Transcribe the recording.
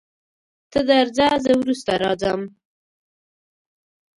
ته درځه زه وروسته راځم.